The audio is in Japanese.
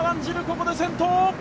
ここで先頭！